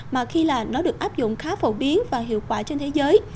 mà khi là nó được áp dụng khá phổ biến và hiệu quả trên thế giới